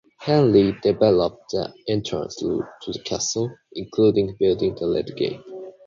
Henry developed the entrance route to the castle, including building the Red Gate.